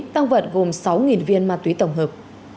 tăng vật gồm sáu viên ma túy tổng hợp